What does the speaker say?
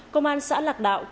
công an xã lạc đạo